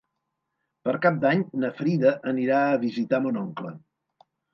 Per Cap d'Any na Frida anirà a visitar mon oncle.